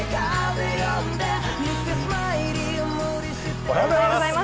おはようございます。